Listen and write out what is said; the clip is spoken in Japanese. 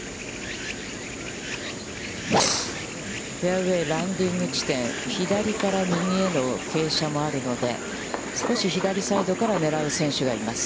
フェアウェイランディング地点、左から右への傾斜もあるので、少し左サイドから狙う選手がいます。